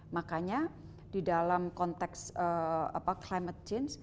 makanya di dalam konteks climate change